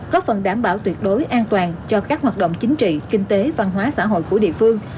có phần đảm bảo tuyệt đối an toàn cho các hoạt động chính trị kinh tế văn hóa xã hội của địa phương